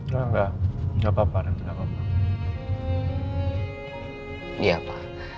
tidak tidak apa apa